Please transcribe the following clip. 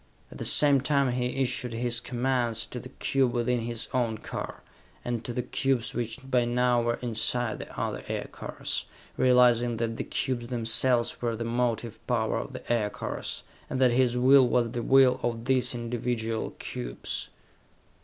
At the same time he issued his commands to the cube within his own car, and to the cubes which by now were inside the other aircars, realizing that the cubes themselves were the motive power of the aircars and that his will was the will of these individual cubes.